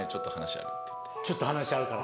「ちょっと話あるから」。